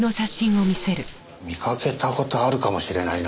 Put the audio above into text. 見かけた事あるかもしれないな。